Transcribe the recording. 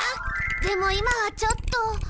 でも今はちょっと。